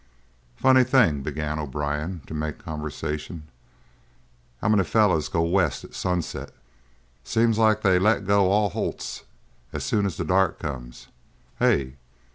"Funny thing," began O'Brien, to make conversation, "how many fellers go west at sunset. Seems like they let go all holts as soon as the dark comes. Hey?"